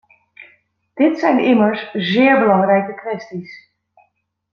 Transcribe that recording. Dit zijn immers zeer belangrijke kwesties.